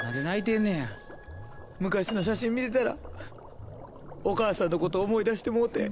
昔の写真見てたらお母さんのこと思い出してもうて。